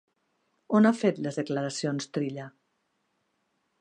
On ha fet les declaracions Trilla?